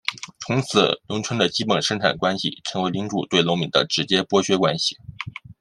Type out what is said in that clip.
从此农村的基本生产关系成为领主对农民的直接剥削关系。